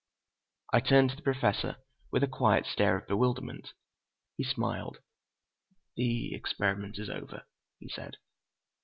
I turned to the Professor with a quiet stare of bewilderment. He smiled. "The experiment is over," he said.